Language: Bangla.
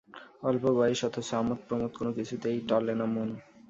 অল্প বয়েস, অথচ আমোদপ্রমোদ কোনো কিছুতেই টলে না মন।